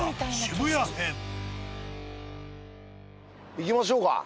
行きましょうか。